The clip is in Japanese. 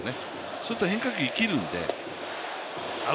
そうすると変化球が生きるのでね。